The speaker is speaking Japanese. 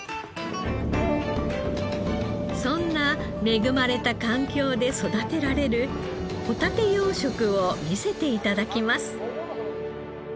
そんな恵まれた環境で育てられるホタテ養殖を見せて頂きます。